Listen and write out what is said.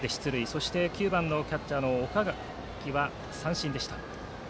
そして９番のキャッチャーの岡垣は三振でした。